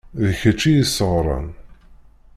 D kečč i y-isseɣren.